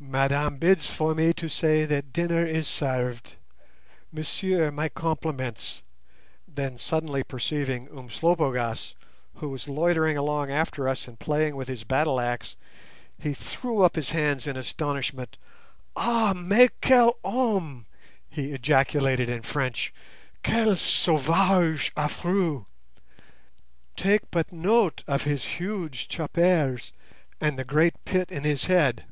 "Madame bids me for to say that dinnar is sarved. Messieurs, my compliments;" then suddenly perceiving Umslopogaas, who was loitering along after us and playing with his battleaxe, he threw up his hands in astonishment. "Ah, mais quel homme!" he ejaculated in French, "quel sauvage affreux! Take but note of his huge choppare and the great pit in his head."